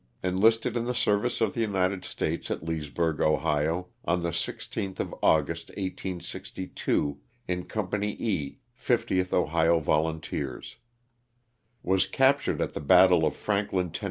Enlisted in the service of the « United States at Leesburg, Ohio, on the 16th of August, 1863, in Company E, 50th Ohio Volun teers. Was captured at the bat tle of Franklin, Tenn.